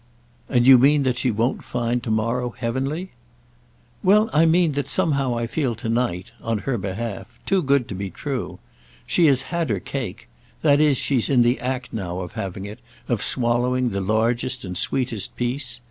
"And you mean that she won't find to morrow heavenly?" "Well, I mean that I somehow feel to night—on her behalf—too good to be true. She has had her cake; that is she's in the act now of having it, of swallowing the largest and sweetest piece.